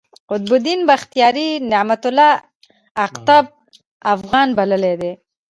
قطب الدین بختیار، نعمت الله اقطب افغان بللی دﺉ.